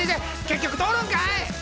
結局通るんかい！